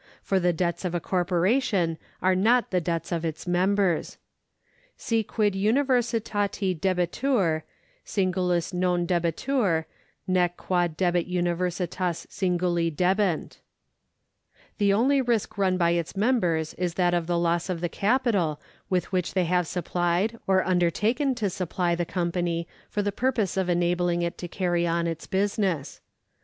For the debts of a corporation are not the debts of its members. Si quid uni versiiati debetur, si7igulis non dehetur, nee quod debet universitas singuli debent} The only risk run by its members is that of ^ D. 3. 4. 7. 1. § 117] PERSONS 20;i the loss of the capital with which they have supplied or under taken to supply the company for the purpose of enabling it to carry on its business.